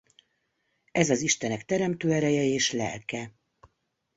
Ez az istenek teremtő ereje és lelke.